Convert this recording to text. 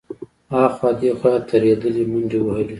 ها خوا دې خوا يې ترهېدلې منډې وهلې.